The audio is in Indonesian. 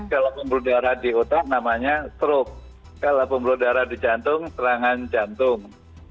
kalau pembuluh darah di otak namanya stroke kalau pembuluh darah di jantung serangan jantung